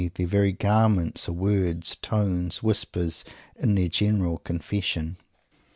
their very garments are words, tones, whispers, in their general Confession.